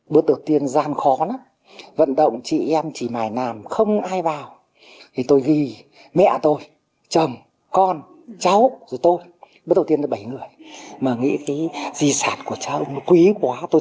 bởi bà kiều thị mách nghệ nhân ưu tú hát chống quân